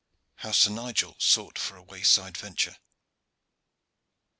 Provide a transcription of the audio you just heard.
HOW SIR NIGEL SOUGHT FOR A WAYSIDE VENTURE.